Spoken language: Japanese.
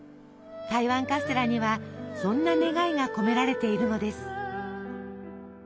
台湾カステラにはそんな願いが込められているのです。